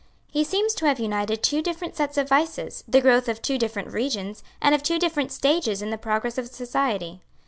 He seems to have united two different sets of vices, the growth of two different regions, and of two different stages in the progress of society.